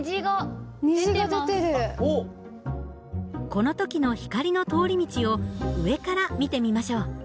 この時の光の通り道を上から見てみましょう。